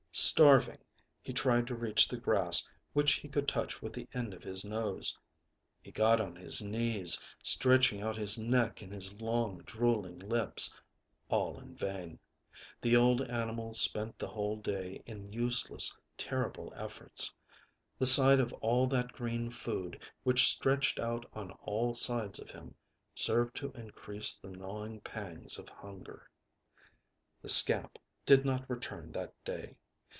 Starving, he tried to reach the grass which he could touch with the end of his nose. He got on his knees, stretching out his neck and his long, drooling lips. All in vain. The old animal spent the whole day in useless, terrible efforts. The sight of all that green food, which stretched out on all sides of him, served to increase the gnawing pangs of hunger. The scamp did not return that day.